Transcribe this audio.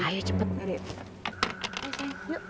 nih hapus biar afif gak tau